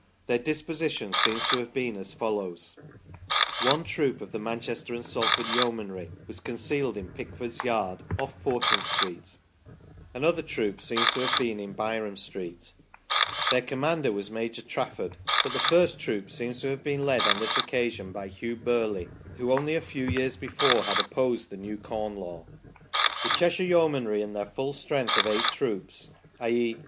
Their disposition seems to have been as follows : one troop of the Manchester and Salford Yeomanry was concealed in Pickford's yard, off Portland Street, another troop seems to have been in Byrom Street \ their commander was Major Trafford, but the first troop seems to Have been led on this occasion by Hugh Birley, who only a few years be fore had opposed the new Corn Law. The Cheshire Yeomanry, in their full strength of eight troops, i.e.